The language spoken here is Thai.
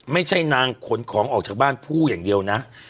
ไม่ใช่นางขนของออกจากบ้านผู้อย่างเดียวนะ